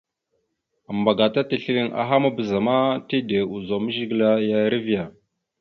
Ambagata tisləliŋ aha mabəza ma, tide ozum Zigəla ya erivea.